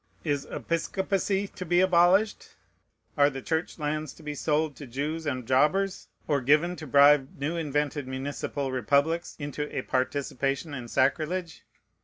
Is Episcopacy to be abolished? Are the Church lands to be sold to Jews and jobbers, or given to bribe new invented municipal republics into a participation in sacrilege?